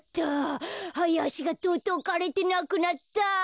ハヤアシがとうとうかれてなくなった。